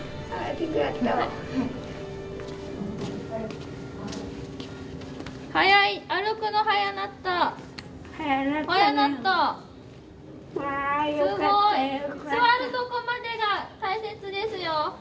すごい！座るとこまでが大切ですよ。